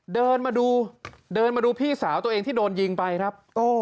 เดินมาดูพี่สาวตัวเองที่โดนยิงไปครับ